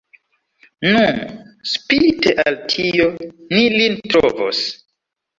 Nu, spite al tio, ni lin trovos.